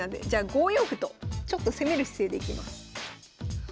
じゃあ５四歩とちょっと攻める姿勢でいきます。